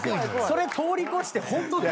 それ通り越してホントのやつ。